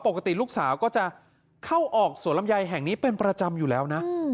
ปกติลูกสาวก็จะเข้าออกสวนลำไยแห่งนี้เป็นประจำอยู่แล้วนะ